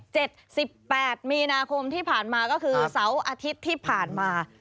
สิบแปดมีนาคมที่ผ่านมาก็คือเสาร์อาทิตย์ที่ผ่านมา